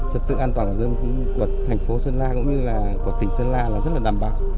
trật tự an toàn dân của thành phố sơn la cũng như là của tỉnh sơn la là rất là đảm bảo